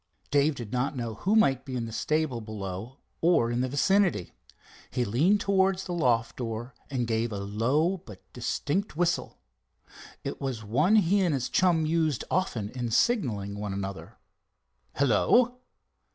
Dave did not know who might be in the stable below or in the vicinity. He leaned towards the loft door and gave a low but distinct whistle. It was one he and his chum used often in signalling one another. "Hello!"